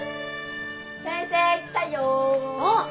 ・先生来たよ。おっ。